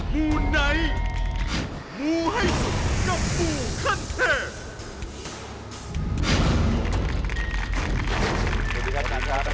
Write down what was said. มูเตรุให้เข้าใคราเหอกไฟ